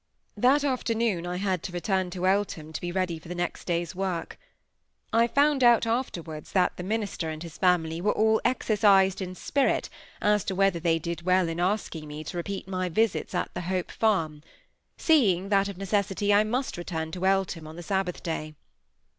That afternoon I had to return to Eltham to be ready for the next day's work. I found out afterwards that the minister and his family were all "exercised in spirit," as to whether they did well in asking me to repeat my visits at the Hope Farm, seeing that of necessity I must return to Eltham on the Sabbath day.